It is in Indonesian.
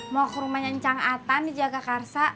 mau ke rumahnya ncang atan di jakarta